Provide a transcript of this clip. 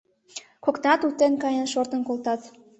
Коктынат утен каен шортын колтат.